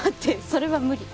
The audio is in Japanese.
それは無理。